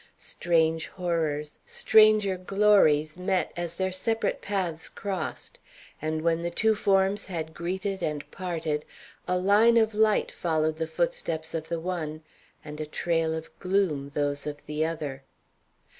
Strange horrors, stranger glories met as their separate paths crossed, and when the two forms had greeted and parted, a line of light followed the footsteps of the one and a trail of gloom those of the other.